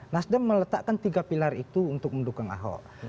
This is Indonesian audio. nasdem meletakkan tiga pilar itu untuk mendukung ahok